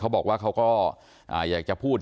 บอกว่าเขาก็อยากจะพูด